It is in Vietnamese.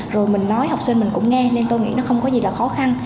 rồi mình nói học sinh mình cũng nghe nên tôi nghĩ nó không có gì là khó khăn